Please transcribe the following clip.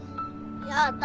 やだ。